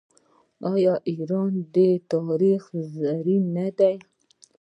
آیا د ایران تاریخ زرین نه دی؟